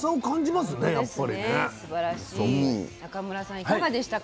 いかがでしたか？